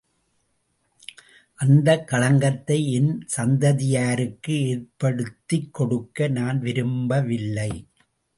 அந்தக் களங்கத்தை என் சந்ததியாருக்கு ஏற்படுத்திக் கொடுக்க நான் விரும்பவில்லை.